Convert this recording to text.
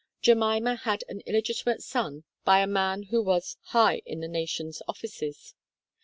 Jemima had an illegitimate son by a man who was high in the Nation's offices